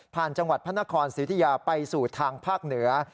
จังหวัดพระนครสิทธิยาไปสู่ทางภาคเหนือ